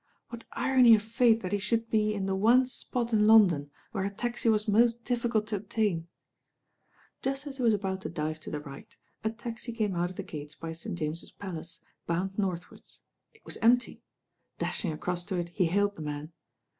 What irony of fate that he should be in the one spot in London where a taxi was most difficult to obtain 1 Just as he was about to dive to the right, a taxi came out of the gates by St. James's Palace, bound northwards. It was empty. Dashing across to it he hailed the man.